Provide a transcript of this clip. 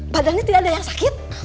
badannya tidak ada yang sakit